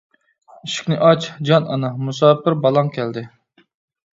ئىشىكنى ئاچ، جان ئانا، مۇساپىر بالاڭ كەلدى.